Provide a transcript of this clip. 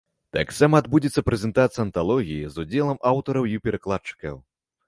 Таксама адбудзецца прэзентацыя анталогіі з удзелам аўтараў і перакладчыкаў.